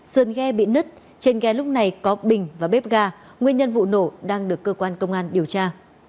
sơn ghe bị nứt trên ghe lúc này có bình và bếp ga nguyên nhân vụ nổ đang được cơ quan công an điều tra